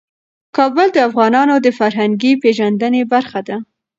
کابل د افغانانو د فرهنګي پیژندنې برخه ده.